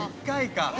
１回か。